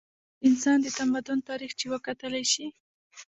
د انسان د تمدن تاریخ چې وکتلے شي